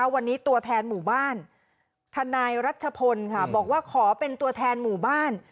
วันนี้ตัวแทนหมู่บ้านทนายรัชพลบอกว่าขอเป็นตัวแทนหมู่บ้าน